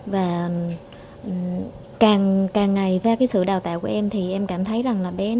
và càng ngày qua cái sự đào tạo của em thì em cảm thấy rằng là bé nó phát triển